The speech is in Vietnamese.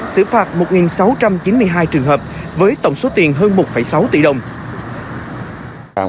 xử phạt một sáu trăm chín mươi hai trường hợp với tổng số tiền hơn một sáu tỷ đồng